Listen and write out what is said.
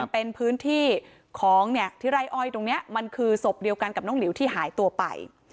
เป็นพื้นที่ของที่ไร่อ้อยตรงนี้มันคือศพเดียวกันกับน้องหลิวที่หายตัวไป